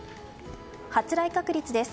発雷確率です。